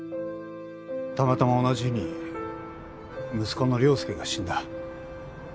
たまたま同じ日に息子の亮介が死んだ。